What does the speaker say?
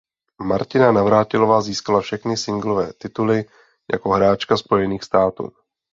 Martina Navrátilová získala všechny singlové tituly jako hráčka Spojených států.